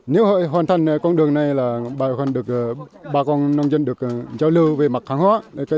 nếu hoàn thành con đường này là bà con nông dân được giao lưu về mặt kháng hóa